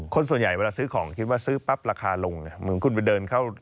คนส่วนใหญ่เวลาซื้อของคิดว่าซื้อปั๊บราคาลงเนี่ยเหมือนคุณไปเดินเข้า